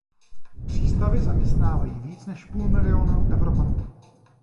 Přístavy zaměstnávají víc než půl milionu Evropanů.